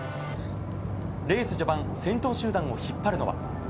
レース序盤先頭集団を引っ張るのは。